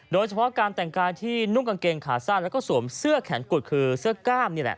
โดยเฉพาะการแต่งกายที่นุ่งกางเกงขาสั้นแล้วก็สวมเสื้อแขนกุดคือเสื้อกล้ามนี่แหละ